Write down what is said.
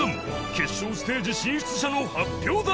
決勝ステージ進出者の発表だ！